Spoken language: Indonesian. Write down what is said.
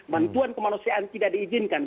bantuan kemanusiaan tidak diizinkan